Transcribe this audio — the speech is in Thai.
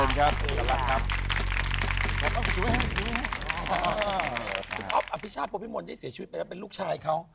สวัสดีครับค่ะอาบปืชชาติโประพิมอลได้เสียชีวิตไปแล้วเป็นลูกชายเขา